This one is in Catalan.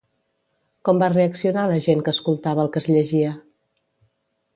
Com va reaccionar la gent que escoltava el que es llegia?